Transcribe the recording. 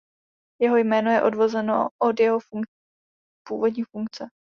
Jeho jméno je odvozeno od jeho původní funkce.